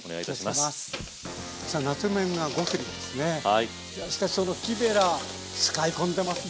いやしかしその木べら使い込んでますね。